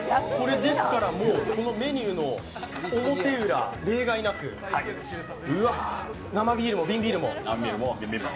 ですからこのメニューの表裏、例外なく、生ビールも瓶ビールも。